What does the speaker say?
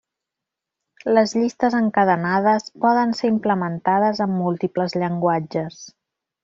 Les llistes encadenades poden ser implementades en múltiples llenguatges.